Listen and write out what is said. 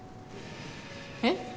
えっ？